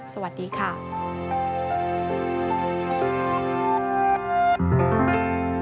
สวัสดีค่ะ